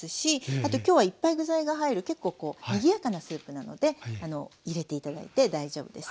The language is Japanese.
あと今日はいっぱい具材が入る結構にぎやかなスープなので入れて頂いて大丈夫です。